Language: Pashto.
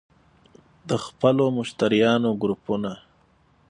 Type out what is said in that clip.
- د خپلو مشتریانو ګروپونه